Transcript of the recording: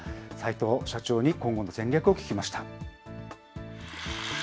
齊藤社長に今後の戦略を聞きました。